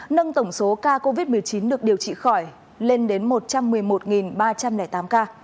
nâng tổng số ca covid một mươi chín được điều trị khỏi lên đến một trăm một mươi một ba trăm linh tám ca